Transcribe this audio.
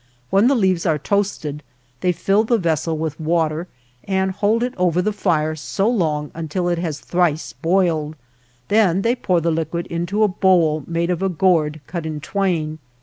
When the leaves are toasted they fill the vessel with water and hold it over the fire so long until it has thrice boiled ; then they pour the liquid into a bowl made of a gourd cut in twain.